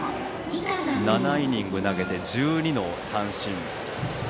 ７イニング投げて１２の三振。